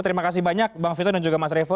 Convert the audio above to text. terima kasih banyak bang vito dan juga mas revo